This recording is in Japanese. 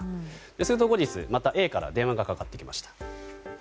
それで後日、またＡから電話がかかってきました。